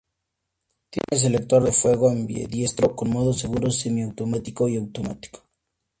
Tiene selector de fuego ambidiestro con modo seguro, semiautomático y automático.